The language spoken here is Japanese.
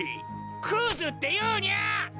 クズって言うにゃ！